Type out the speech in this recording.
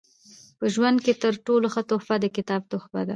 په ژوند کښي تر ټولو ښه تحفه د کتاب تحفه ده.